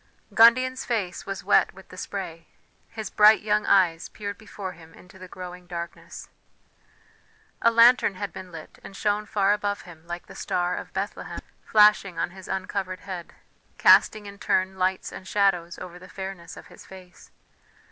Gundian's face was wet with the spray; his bright young eyes peered before him into the growing darkness. A lantern had been lit and shone far above him like the Star of Bethlehem, flashing on his uncovered head, casting in turn lights and shadows over the fairness of his face.